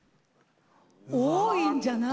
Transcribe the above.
多いんじゃない？